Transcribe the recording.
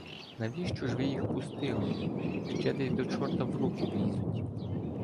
— Навіщо ж ви їх пустили? Ще десь до чорта в руки влізуть.